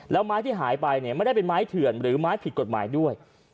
แล้วไม้ที่หายไปเนี่ยไม่ได้เป็นไม้เถื่อนหรือไม้ผิดกฎหมายด้วย